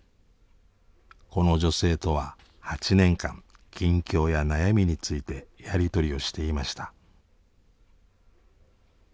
この女性とは８年間近況や悩みについてやり取りをしていました。